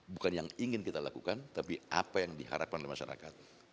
bukan yang ingin kita lakukan tapi apa yang diharapkan oleh masyarakat